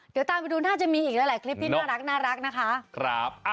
เดี๋ยวตามไปดูน่าจะมีอีกหลายคลิปที่น่ารักนะคะ